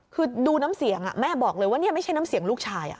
คือดูน้ำเสียงแม่บอกเลยว่านี่ไม่ใช่น้ำเสียงลูกชาย